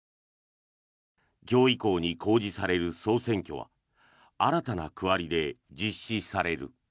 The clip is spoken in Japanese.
今日以降に公示される総選挙は新たな区割りで実施される。